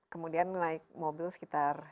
kemudian naik mobil sekitar